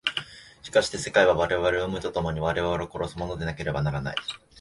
しかして世界は我々を生むと共に我々を殺すものでなければならない。